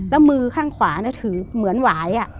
แล้วมือข้างขวาถือเหมือนหวาย